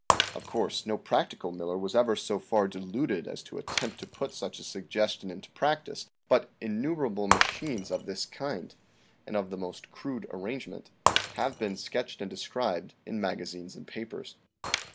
Of course no practical miller was ever so far deluded as to attempt to put such a suggestion into practice, but innu merable machines of this kind, and of the most crude arrangement, have been sketched and described in maga zines and papers.